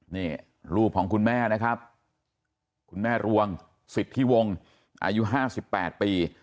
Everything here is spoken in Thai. นี่รูปของคุณแม่นะครับคุณแม่รวงสิทธิวงศ์อายุ๕๘ปี